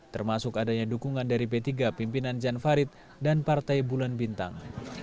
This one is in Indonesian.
termasuk adanya dukungan dari p tiga pimpinan jan farid dan partai bulan bintang